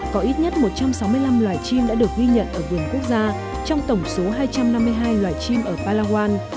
có ít nhất một trăm sáu mươi năm loài chim đã được ghi nhận ở vườn quốc gia trong tổng số hai trăm năm mươi hai loài chim ở palawan